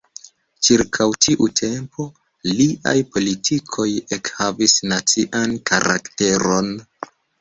Ĉirkaŭ tiu tempo liaj politikoj ekhavis nacian karakteron.